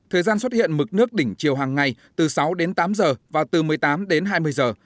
thời gian xuất hiện mực nước đỉnh chiều hàng ngày từ sáu đến tám giờ và từ một mươi tám đến hai mươi giờ